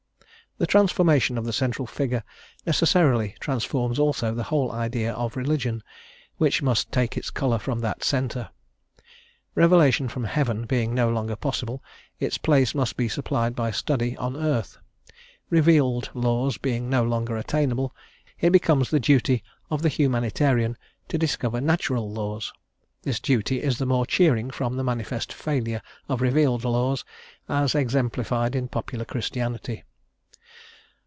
This transformation of the central figure necessarily transforms also the whole idea of religion, which must take its colour from that centre. Revelation from heaven being no longer possible, its place must be supplied by study on earth: revealed laws being no longer attainable, it becomes the duty of the Humanitarian to discover natural laws. This duty is the more cheering from the manifest failure of revealed laws, as exemplified in popular Christianity.